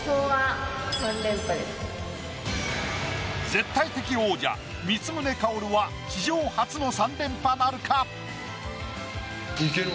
絶対的王者光宗薫は史上初の３連覇なるか？